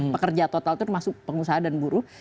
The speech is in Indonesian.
pekerja total itu termasuk pengusaha dan buruh